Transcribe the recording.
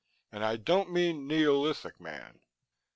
"And I don't mean neolithic man."